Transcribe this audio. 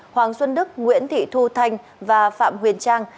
hoàng xuân đức nguyễn thị thu thanh và phạm huyền trang